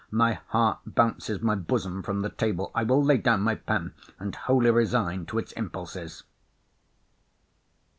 —My heart bounces my bosom from the table. I will lay down my pen, and wholly resign to its impulses.